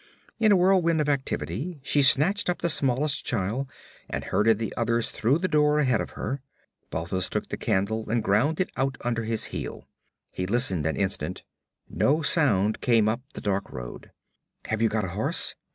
In a whirlwind of activity she snatched up the smallest child and herded the others through the door ahead of her. Balthus took the candle and ground it out under his heel. He listened an instant. No sound came up the dark road. 'Have you got a horse?'